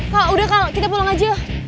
kok udah kak kita pulang aja